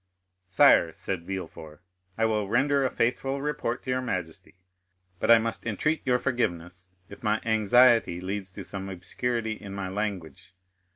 "Sire," said Villefort, "I will render a faithful report to your majesty, but I must entreat your forgiveness if my anxiety leads to some obscurity in my language."